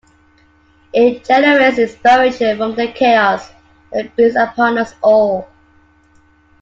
It generates inspiration from the chaos that beats upon us all.